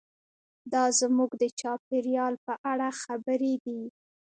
دا زموږ د چاپیریال په اړه خبرې دي.